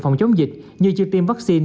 phòng chống dịch như chưa tiêm vaccine